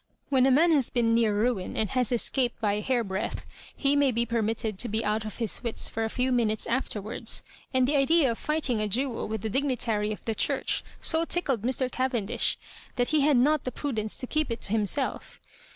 When a man has been near ruin and has escaped by a hairbreadth, he may be permit ted to be out of his wits for a few minutes after wards. * And the idea of fighting a duel with a dignitary of the Church so tickled Mr. Cavendish, that he had not the prudence to keep it to him himself.